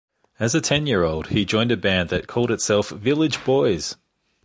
As a ten-year-old, he joined a band that called itself “Village Boys”.